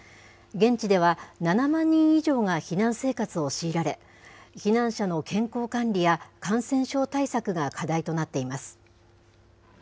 現地では、７万人以上が避難生活を強いられ、避難者の健康管理や感染症対策が課題となっています。